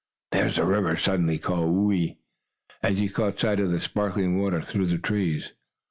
"There's the river!" suddenly called Whoo ee, as he caught sight of the sparkling water through the trees.